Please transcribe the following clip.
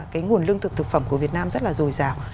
cái nguồn lương thực thực phẩm của việt nam rất là dồi dào